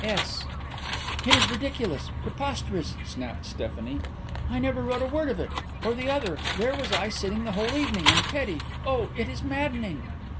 S.'" "It is ridiculous, preposterous," snapped Stephanie. "I never wrote a word of it or the other. There was I, sitting the whole evening. And Teddy oh, it is maddening!"